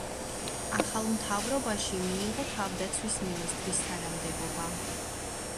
ახალ მთავრობაში მიიღო თავდაცვის მინისტრის თანამდებობა.